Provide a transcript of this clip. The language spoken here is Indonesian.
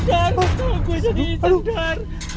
aduh dar kok gue jadi isen dar